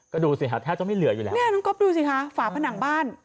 ก็ดูสิค่ะแทบจะไม่เหลืออยู่แล้วเนี่ยน้องก๊อฟดูสิคะฝาผนังบ้าน